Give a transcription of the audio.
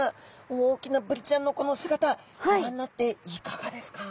大きなブリちゃんのこの姿ご覧になっていかがですか？